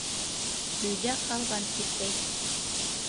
Өйҙә ҡалған, тип әйт.